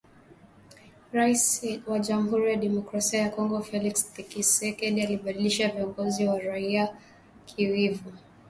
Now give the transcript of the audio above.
Rais wa Jamuhuri ya Demokrasia ya Kongo Felix Thisekedi alibadilisha viongozi wa kiraia wa Kivu Kaskazini na Ituri